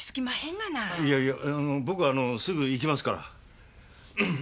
いやいや僕はあのすぐ行きますから。